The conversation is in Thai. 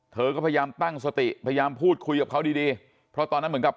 เธอก็พยายามตั้งสติพยายามพูดคุยกับเขาดีดีเพราะตอนนั้นเหมือนกับ